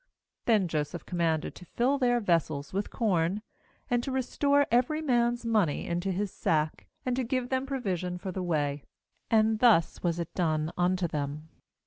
25Then Joseph commanded to fill their vessels with corn, and to restore every man's money into his sack, and to give them provision for the way; and thus was it done unto them.